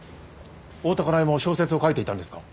大多香苗も小説を書いていたんですか？